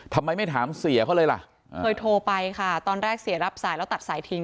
ทำไมไม่ถามเสียเขาเลยล่ะเคยโทรไปค่ะตอนแรกเสียรับสายแล้วตัดสายทิ้ง